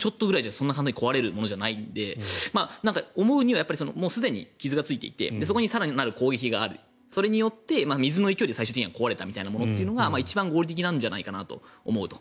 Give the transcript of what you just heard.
そんなに簡単に壊れるものじゃないので思うのはすでに傷がついていてそこに更なる攻撃がありそれによって水の勢いで最終的に壊れたというのが一番合理的なんじゃないかなと思うと。